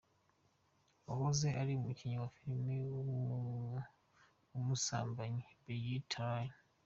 uwahoze ari umukinnyi wa filime z’ ubusambanyi Brigitte Lahaie.